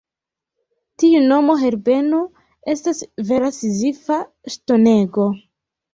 Tiu nomo Herbeno estas vera Sizifa ŝtonego.